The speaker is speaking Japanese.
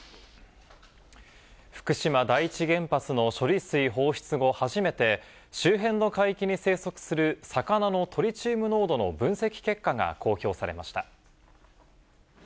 福島第一原発の処理水放出後、初めて、周辺の海域に生息する魚のトリチウム濃度の分析結果が公表されました。